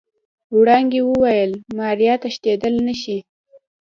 وړانګې وويل ماريا تښتېدل نشي.